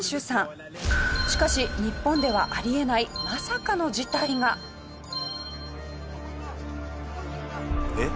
しかし日本ではあり得ないまさかの事態が！えっ！？